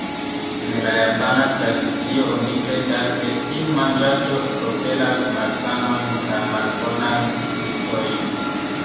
En la japana tradicio oni kredas, ke tiu manĝaĵo forpelas malsanojn kaj malbonajn spiritojn.